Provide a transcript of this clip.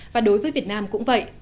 và đối với việt nam cũng vậy